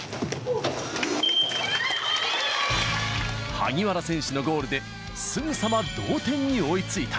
萩原選手のゴールで、すぐさま同点に追いついた。